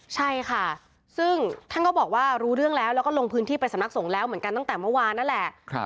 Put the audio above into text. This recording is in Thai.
ใช่ค่ะซึ่งท่านก็บอกว่ารู้เรื่องแล้วแล้วก็ลงพื้นที่ไปสำนักสงฆ์แล้วเหมือนกันตั้งแต่เมื่อวานนั่นแหละ